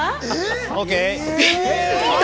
ＯＫ！